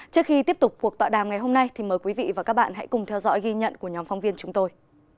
trước khi tiếp tục cuộc tọa đàm ngày hôm nay thì mời quý vị và các bạn hãy cùng theo dõi ghi nhận của nhóm phóng viên chúng tôi